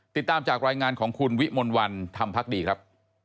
ติดตามจากรายงานของคุณวิมลวันธรรมพักดีครับ